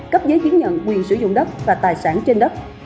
cấp giấy chứng nhận quyền sử dụng đất và tài sản trên đất